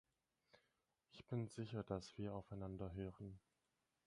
Ich bin sicher, dass wir aufeinander hören.